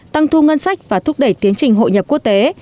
tăng thu ngân sách và thúc đẩy tiến trình hội nhập quốc tế